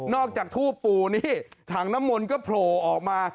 จากทูบปู่นี่ถังน้ำมนต์ก็โผล่ออกมา